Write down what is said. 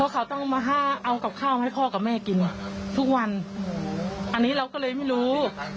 เขาต้องมาเอากับข้าวมาให้พ่อกับแม่กินทุกวันอันนี้เราก็เลยไม่รู้